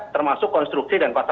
termasuk konstruksi dan paksa